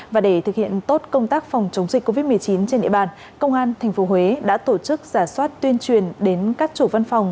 và để thực hiện tốt công tác phòng chống dịch covid một mươi chín trên địa bàn công an tp huế đã tổ chức giả soát tuyên truyền đến các chủ văn phòng